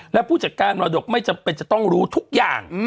และผู้จัดการมรดกไม่จำเป็นจะต้องรู้ทุกอย่าง